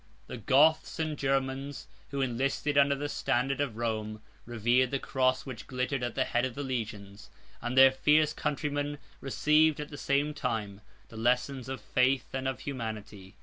76 The Goths and Germans, who enlisted under the standard of Rome, revered the cross which glittered at the head of the legions, and their fierce countrymen received at the same time the lessons of faith and of humanity.